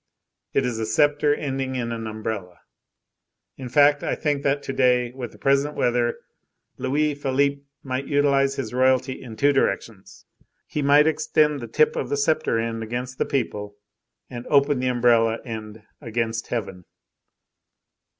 It is a sceptre ending in an umbrella. In fact, I think that to day, with the present weather, Louis Philippe might utilize his royalty in two directions, he might extend the tip of the sceptre end against the people, and open the umbrella end against heaven."